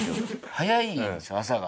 早いんすよ朝が。